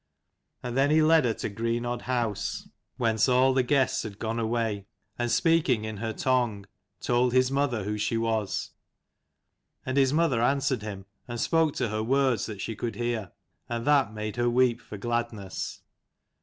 And then he led her to Greenodd house, 166 whence all the guests had gone away : and speaking in her tongue, told his mother who she was. And his mother answered him, and spoke to her words that she could hear, and that made her weep for gladness.